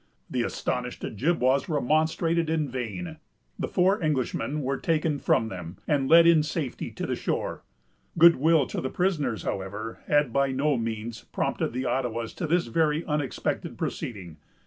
The astonished Ojibwas remonstrated in vain. The four Englishmen were taken from them, and led in safety to the shore. Good will to the prisoners, however, had by no means prompted the Ottawas to this very unexpected proceeding.